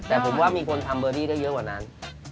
แต่ผมว่ามีคนทำเบอร์ดี้ได้เยอะกว่านั้น